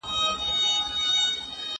له خپلي خاوري ایستل